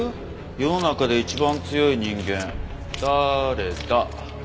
世の中で一番強い人間だれだ？